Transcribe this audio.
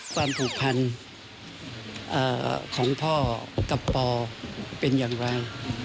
ความผูกพันของพ่อกับปอเป็นอย่างไร